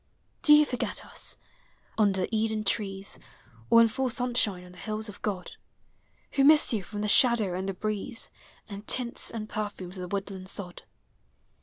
Do you forget us, under Eden trees. Or in full sunshine on the hills of God, — Digitized by Google THE HOME. 295 Who miss you from the shadow and the breeze, And tints and perfumes of the woodland sod?